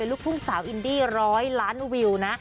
ลูกทุ่งสาวอินดี้ร้อยล้านวิวนะ